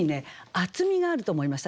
厚みがあると思いました。